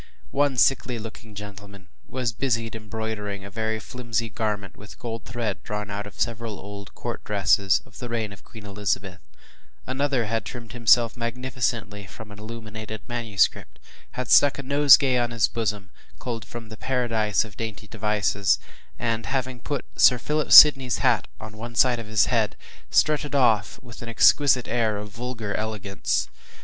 One sickly looking gentleman was busied embroidering a very flimsy garment with gold thread drawn out of several old court dresses of the reign of Queen Elizabeth. Another had trimmed himself magnificently from an illuminated manuscript, had stuck a nosegay in his bosom, culled from “The Paradise of Dainty Devices,” and having put Sir Philip Sidney’s hat on one side of his head, strutted off with an exquisite air of vulgar elegance.